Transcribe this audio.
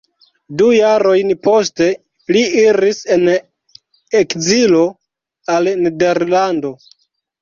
Du jarojn poste li iris en ekzilo al Nederlando.